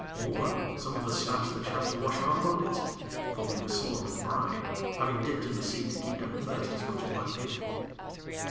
More, some of us snatched the chance to wash our bodies; for we were sore with brine, having dipped in the sea to keep down thirst as much as might be.